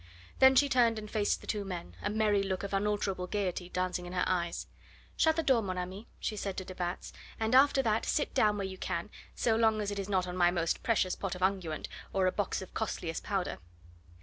Then she turned and faced the two men, a merry look of unalterable gaiety dancing in her eyes. "Shut the door, mon ami," she said to de Batz, "and after that sit down where you can, so long as it is not on my most precious pot of unguent or a box of costliest powder."